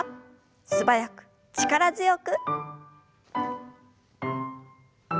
素早く力強く。